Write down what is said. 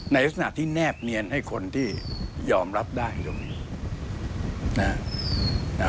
ในลักษณะที่แนบเนียนให้คนที่ยอมรับได้ตรงนี้นะครับ